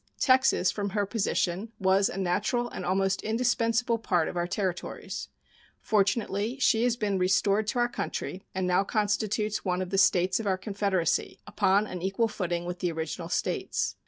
Texas, from her position, was a natural and almost indispensable part of our territories. Fortunately, she has been restored to our country, and now constitutes one of the States of our Confederacy, "upon an equal footing with the original States."